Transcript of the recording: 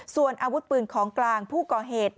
ส่วนอาวุธปืนของกลางผู้ก่อเหตุ